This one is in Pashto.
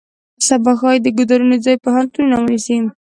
سبا ښایي د ګودرونو ځای پوهنتونونه ونیسي.